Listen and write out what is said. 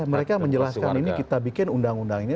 mereka menjelaskan ini kita bikin undang undang ini